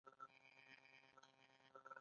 په پانګوالي تولید کې پانګوال د ابزارو مالکان دي.